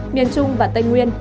miền trung và tây nguyên